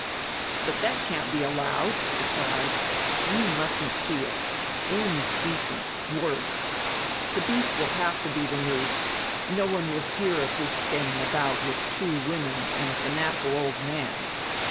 "But that can't be allowed!" he cried. "You mustn't see it. Indecent, worse. The beast will have to be removed. No one will hear of his staying about with two women and a fanatical old man."